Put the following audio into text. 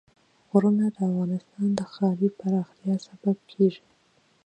غرونه د افغانستان د ښاري پراختیا سبب کېږي.